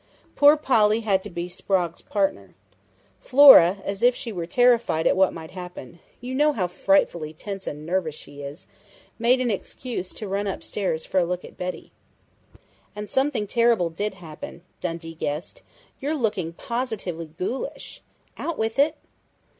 Poor Polly had to be Sprague's partner. Flora, as if she were terrified at what might happen you know how frightfully tense and nervous she is made an excuse to run upstairs for a look at Betty." "And something terrible did happen," Dundee guessed. "You're looking positively ghoulish. Out with it!"